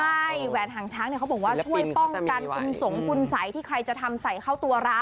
ใช่แหวนหางช้างเนี่ยเขาบอกว่าช่วยป้องกันคุณสงคุณสัยที่ใครจะทำใส่เข้าตัวร้าน